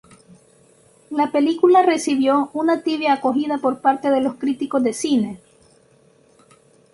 La película recibió una tibia acogida por parte de los críticos de cine.